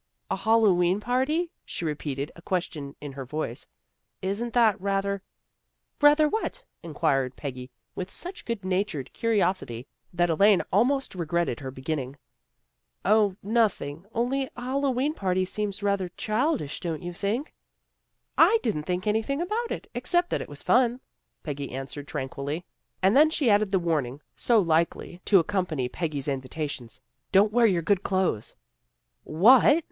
" A Hal lowe'en party," she repeated, a question in her voice. " Isn't that rather " Rather what? " inquired Peggy with such good natured curiosity that Elaine almost re gretted her beginning. " 0, nothing. Only a Hallowe'en party seems rather childish, don't you think? "" I didn't think anything about it, except that it was fun," Peggy answered tranquilly. And then she added the warning so likely to 70 THE GIRLS OF FRIENDLY TERRACE accompany Peggy's invitations, " Don't wear your good clothes." ''What!"